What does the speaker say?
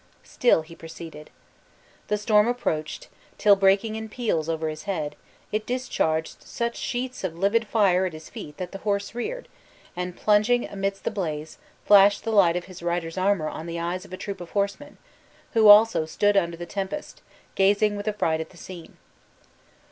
Still he proceeded. The storm approached, till, breaking in peals over his head, it discharged such sheets of livid fire at his feet that the horse reared, and plunging amidst the blaze, flashed the light of his rider's armor on the eyes of a troop of horsemen, who also stood under the tempest, gazing with affright at the scene.